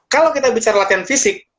kalau kita bicara latihan fisik